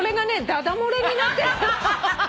だだ漏れになってるの。